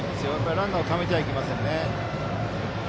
ランナーをためちゃいけませんね。